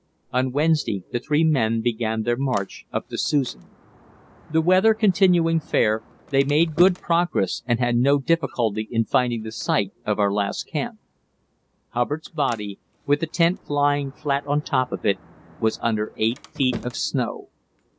On Wednesday the three men began their march up the Susan. The weather continuing fair, they made good progress and had no difficulty in finding the site of our last camp. Hubbard's body, with the tent lying flat on top of it, was under eight feet of snow.